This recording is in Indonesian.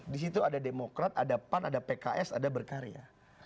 di situ ada demokrat ada pan ada pks ada berkarya